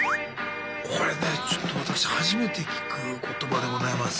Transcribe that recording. これねちょっと私初めて聞く言葉でございます。